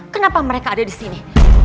kenapa mereka ada disini